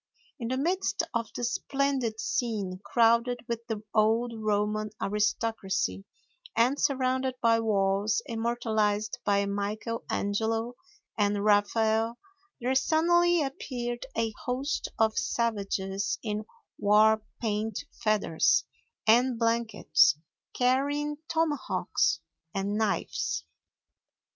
In the midst of the splendid scene, crowded with the old Roman aristocracy and surrounded by walls immortalized by Michael Angelo and Raphael, there suddenly appeared a host of savages in war paint, feathers, and blankets, carrying tomahawks and knives.